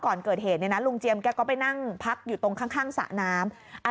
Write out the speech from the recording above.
ก่อนเกิดเหตุเนี่ยนะลุงเจียมแกก็ไปนั่งพักอยู่ตรงข้างสระน้ำ